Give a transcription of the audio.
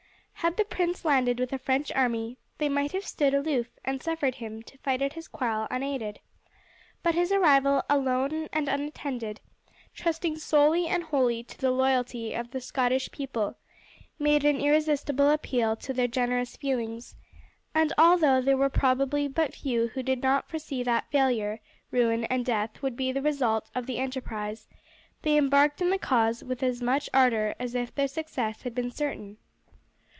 Had the prince landed with a French army they might have stood aloof and suffered him to fight out his quarrel unaided; but his arrival alone and unattended, trusting solely and wholly to the loyalty of the Scottish people, made an irresistible appeal to their generous feelings, and although there were probably but few who did not foresee that failure, ruin, and death would be the result of the enterprise, they embarked in the cause with as much ardour as if their success had been certain.